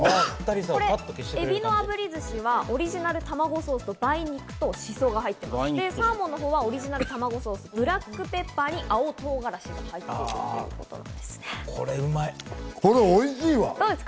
エビの炙り寿司はオリジナルたまごソースと梅肉とシソが入っていましてサーモンのほうはオリジナル卵ソース、ブラックペッパーに青唐辛子が入っています。